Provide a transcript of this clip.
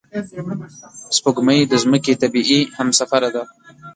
سپوږمۍ د ځمکې طبیعي همسفره ده